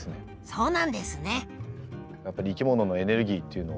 そうなんですね。